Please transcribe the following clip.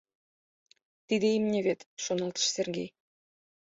«Тиде имне вет», — шоналтыш Сергей.